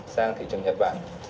sang thị trường nhật bản